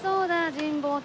神保町。